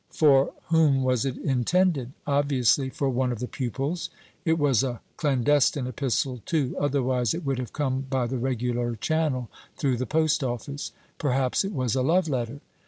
For whom was it intended? Obviously for one of the pupils. It was a clandestine epistle, too, otherwise it would have come by the regular channel through the post office. Perhaps it was a love letter.